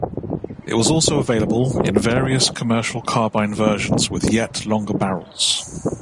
It was also available in various commercial carbine versions with yet longer barrels.